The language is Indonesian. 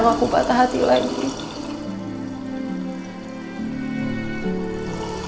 nama ku patah hati lagi